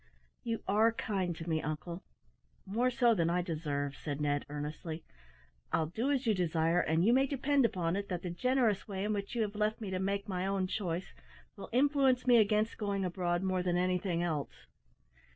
"You are kind to me, uncle; more so than I deserve," said Ned earnestly. "I'll do as you desire, and you may depend upon it that the generous way in which you have left me to make my own choice will influence me against going abroad more than anything else."